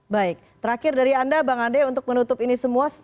baik terakhir dari anda bang andre untuk menutup ini semua